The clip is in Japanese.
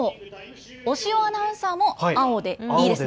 押尾アナウンサーも青でいいですね。